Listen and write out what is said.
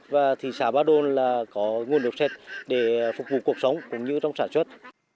và thị xã ba đồn là có nguồn nước sạch để phục vụ cuộc sống cũng như trong sản xuất